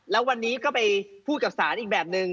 แล้ววันนี้ก็ไปพูดกับศาลอีกแบบนึง